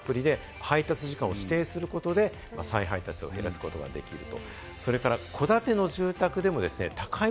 宅配業者のアプリで配達時間を指定することで、再配達を減らすことができると。